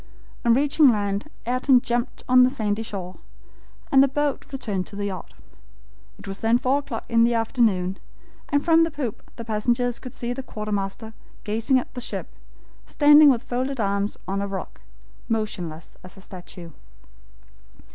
On reaching land, Ayrton jumped on the sandy shore, and the boat returned to the yacht. It was then four o'clock in the afternoon, and from the poop the passengers could see the quartermaster gazing at the ship, standing with folded arms on a rock, motionless as a statue.